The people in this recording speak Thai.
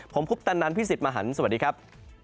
ผมคุปตันนันพี่สิทธิ์มหันฯสวัสดีครับ